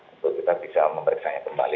untuk kita bisa memeriksanya kembali